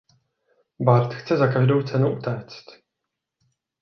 Bart chce za každou cenu utéct.